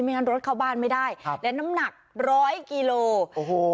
งั้นรถเข้าบ้านไม่ได้ครับและน้ำหนักร้อยกิโลโอ้โห